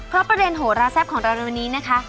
เพราะประเด็นโหราแซ่บของเราในวันนี้นะคะ